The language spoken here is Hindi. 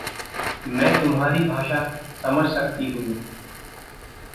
मैं तुम्हारी भाषा समझ सकती हूँ।